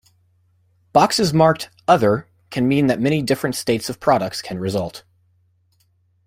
Boxes marked "other" can mean that many different states of products can result.